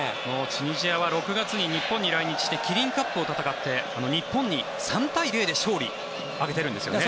チュニジアは６月に日本に来日してキリンカップを戦って日本に３対０で勝利を挙げているんですよね。